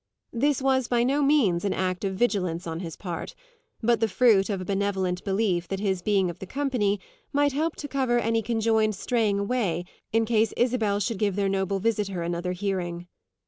This was by no means an act of vigilance on his part, but the fruit of a benevolent belief that his being of the company might help to cover any conjoined straying away in case Isabel should give their noble visitor another hearing.